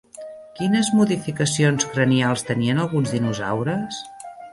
Quines modificacions cranials tenien alguns dinosaures?